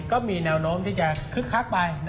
ก็มีแนวโน้มที่จะคึกคักไป